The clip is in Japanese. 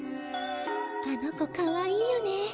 あの子かわいいよね。